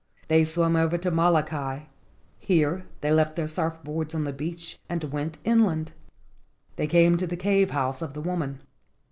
They swam over to Molokai. Here they left their surf boards on the beach and went inland. They came to the cave house of the woman.